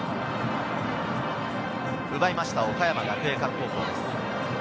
奪いました、岡山学芸館高校です。